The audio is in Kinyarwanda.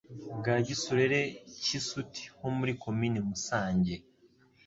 bwa Gisurere cy'i Suti ho muri Komini Musange